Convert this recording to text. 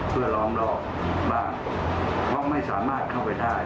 เพื่อล้อมรอบบ้านเพราะไม่สามารถเข้าไปได้